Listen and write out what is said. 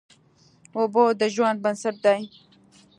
اوبه د ژوند بنسټ دي.